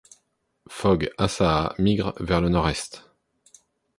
Fogue assa’a migre vers le Nord-Est.